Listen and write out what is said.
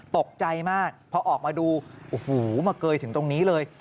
ตกใจมากพอออกมาดูโอ้โหมาเกยถึงตรงนี้เลย